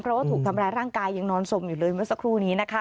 เพราะว่าถูกทำร้ายร่างกายยังนอนสมอยู่เลยเมื่อสักครู่นี้นะคะ